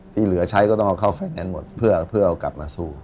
ที่เหลือใช้ก็ต้องเอาเข้าแข่งกันหมดเพื่อเอากลับมาสู้